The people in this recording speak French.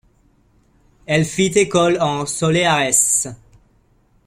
Elle fit école en soleares.